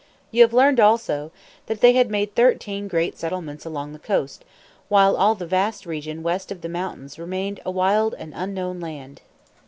You have learned, also, that they had made thirteen great settlements along the coast, while all the vast region west of the mountains remained a wild and unknown land.